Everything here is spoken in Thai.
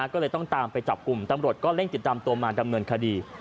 ก็เลยต้องตามไปจับกลุ่มตำรวจก็เร่งติดตามตัวมาดำเนินคดี